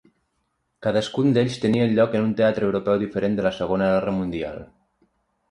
Cadascun d'ells tenia lloc en un teatre europeu diferent de la Segona Guerra Mundial.